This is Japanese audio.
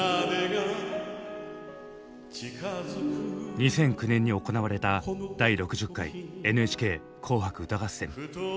２００９年に行われた第６０回「ＮＨＫ紅白歌合戦」。